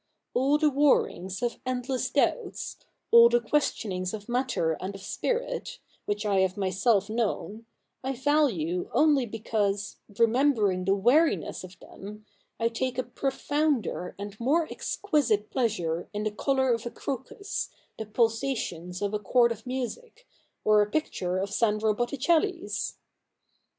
All the warrings of endless doubts, all the questionings of matter and of spirit, which I have myself known, I value only because, remembering the weariness of them, I take a profounder and more exquisite pleasure in the colour of a crocus, the pulsations of a chord of music, or a picture of Sandro Botticelli's.'